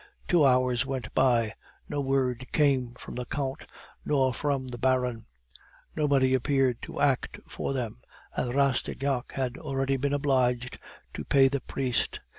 Two hours went by, no word came from the Count nor from the Baron; nobody appeared to act for them, and Rastignac had already been obliged to pay the priest.